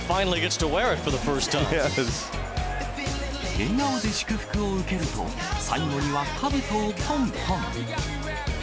笑顔で祝福を受けると、最後にはかぶとをぽんぽん。